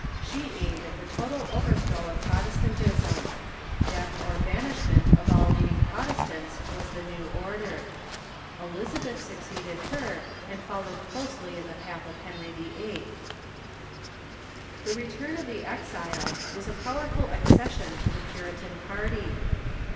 She aimed at the total overthrow of Protestantism. Death or banishment of all leading Protestants was the new order. Elizabeth succeeded her, and followed closely in the path of Henry VIII. The return of the exiles was a powerful accession to the Pu ritan party.